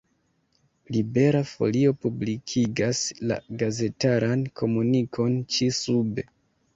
Libera Folio publikigas la gazetaran komunikon ĉi-sube.